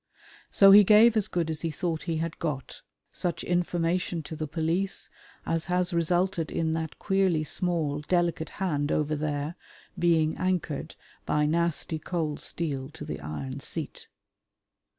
So he gave as good as he thought he had got such information to the police as has resulted in that queerly small delicate hand over there being anchored by nasty cold steel to the iron seat.